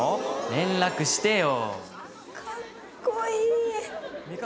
連絡してよ。